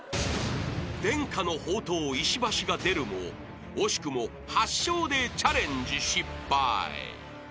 ［伝家の宝刀石橋が出るも惜しくも８笑でチャレンジ失敗］